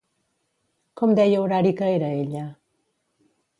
Com deia Horari que era ella?